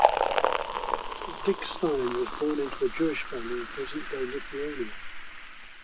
Dickstein was born into a Jewish family in present-day Lithuania.